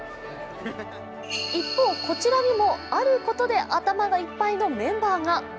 一方、こちらにもあることで頭がいっぱいのメンバーが。